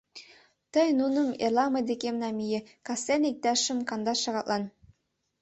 Тый нуным эрла мый декем намие, кастене иктаж шым-кандаш шагатлан...